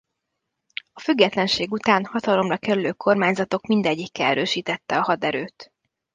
A függetlenség után hatalomra kerülő kormányzatok mindegyike erősítette a haderőt.